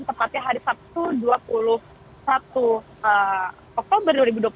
tepatnya hari sabtu dua puluh satu oktober dua ribu dua puluh satu